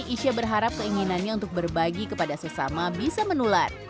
isya berharap keinginannya untuk berbagi kepada sesama bisa menular